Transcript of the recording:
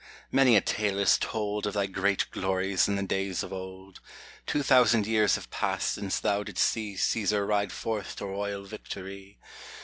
many a tale is told Of thy great glories in the days of old : Two thousand years have passed since thou didst see Caesar ride forth to royal victory.